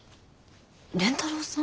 蓮太郎さん？